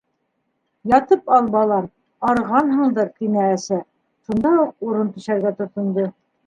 - Ятып ал, балам, арығанһыңдыр, - тине әсә, шунда уҡ урын түшәргә тотондо.